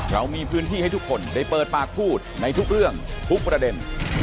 เรามีพื้นที่ให้ทุกคนได้เปิดปากพูดในทุกเรื่องทุกประเด็น